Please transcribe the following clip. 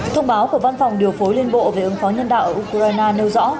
thông báo của văn phòng điều phối liên bộ về ứng phó nhân đạo ở ukraine nêu rõ